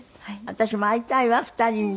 私も会いたいわ２人に。